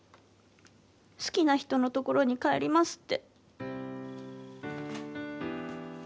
好きな人の所に帰りますって。